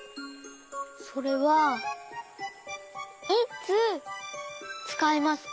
それはいつつかいますか？